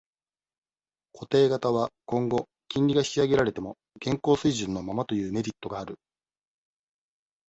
固定型は、今後、金利が引き上げられても、現行水準のままというメリットがある。